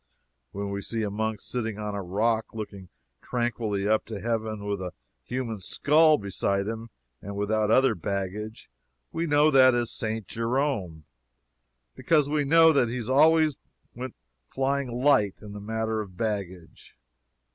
When we see a monk sitting on a rock, looking tranquilly up to heaven, with a human skull beside him, and without other baggage, we know that that is St. Jerome. Because we know that he always went flying light in the matter of baggage.